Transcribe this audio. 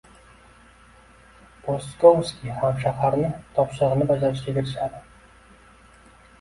Pestkovskiy hamshahrini topshirig‘ini bajarishga kirishadi.